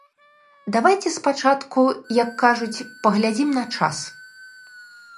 Давайце спачатку, як кажуць, паглядзім на час.